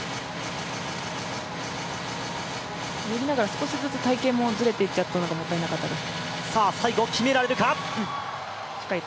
少しずつ隊形がずれていっちゃっていたのがもったいなかったです。